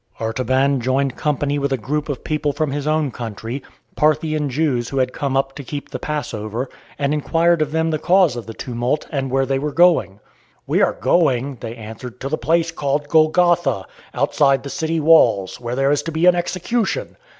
Artaban joined company with a group of people from his own country, Parthian Jews who had come up to keep the Passover, and inquired of them the cause of the tumult, and where they were going. "We are going," they answered, "to the place called Golgotha, outside the city walls, where there is to be an execution.